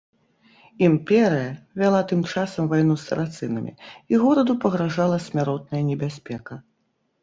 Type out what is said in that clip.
Імперыя вяла тым часам вайну з сарацынамі, і гораду пагражала смяротная небяспека.